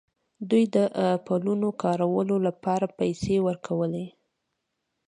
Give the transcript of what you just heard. دوی د پلونو کارولو لپاره پیسې ورکولې.